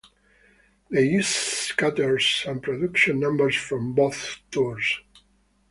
They used skaters and production numbers from both tours.